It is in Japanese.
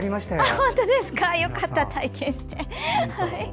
よかった、体験して。